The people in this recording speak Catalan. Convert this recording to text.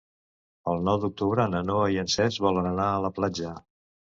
El nou d'octubre na Noa i en Cesc volen anar a la platja.